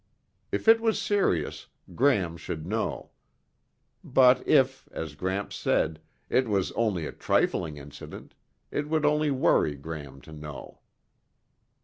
If it was serious, Gram should know. But if, as Gramps said, it was only a trifling incident, it would only worry Gram to know.